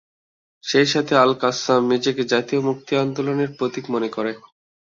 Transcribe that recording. সেই সাথে আল-কাসসাম নিজেকে জাতীয় মুক্তি আন্দোলনের প্রতীক মনে করে।